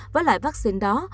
với loại vaccine đó